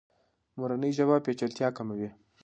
مورنۍ ژبه پیچلتیا کموي.